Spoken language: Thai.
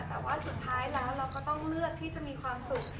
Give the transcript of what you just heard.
แต่ว่าสุดท้ายแล้วเราก็ต้องเลือกที่จะมีความสุข